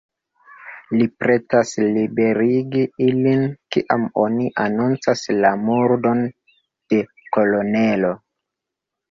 Li pretas liberigi ilin, kiam oni anoncas la murdon de kolonelo.